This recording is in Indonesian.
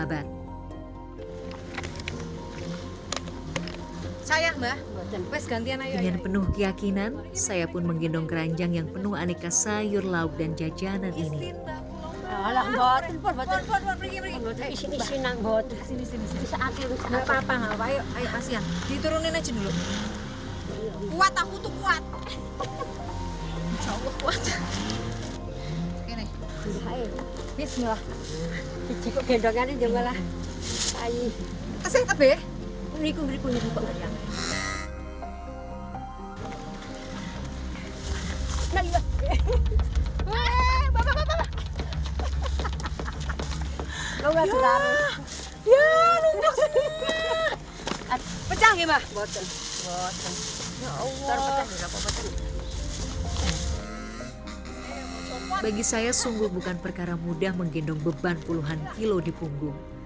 bagi saya sungguh bukan perkara mudah menggendong beban puluhan kilo di punggung